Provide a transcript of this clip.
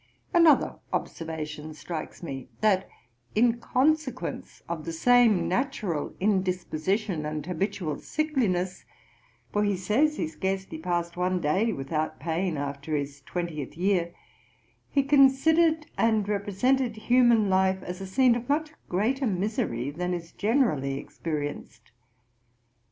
Another observation strikes me, that in consequence of the same natural indisposition, and habitual sickliness, (for he says he scarcely passed one day without pain after his twentieth year,) he considered and represented human life, as a scene of much greater misery than is generally experienced.